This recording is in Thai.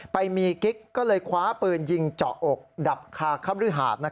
ไปมีกิ๊กก็เลยคว้าปืนยิงเจาะอกดับคาคบริหาด